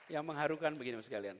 yang mengharukan begini